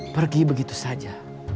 pergi begitu saja